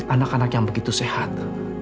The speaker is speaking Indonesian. anak anak yang begitu sehat